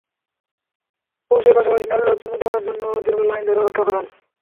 পুরুষের পাশাপাশি নারীরাও চুমু দেওয়ার জন্য দীর্ঘ লাইন ধরে অপেক্ষা করেন।